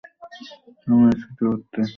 আমি আর সহ্য করতে পারছি না।